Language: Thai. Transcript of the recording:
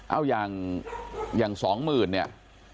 เอาอย่าง๒๐๐๐เนี่ย